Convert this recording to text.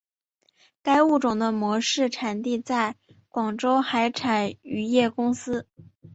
该物种的模式产地在广州海产渔业公司。